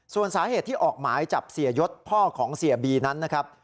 ส่วนสาเหตุที่ออกหมายจับเสียยศพ่อของเสียบีนั้นนะครับ